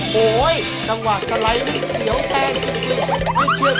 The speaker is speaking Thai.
โอ้โหยตั้งว่าสไลด์วิกเสียวแพงจริง